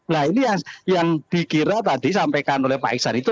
nah ini yang dikira tadi sampaikan oleh pak iksan itu